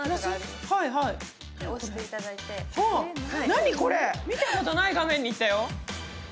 何これ、見たことない画面にいったよ。